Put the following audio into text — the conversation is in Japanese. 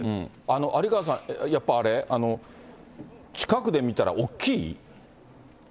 有川さん、やっぱあれ、近くで見たらおっきい？